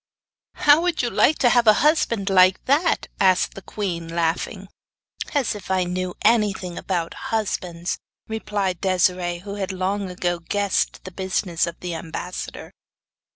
'How would you like to have a husband like that?' asked the queen, laughing. 'As if I knew anything about husbands!' replied Desiree, who had long ago guessed the business of the ambassador.